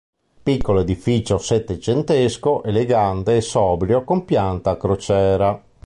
Piccolo edificio settecentesco elegante e sobrio con pianta a crociera.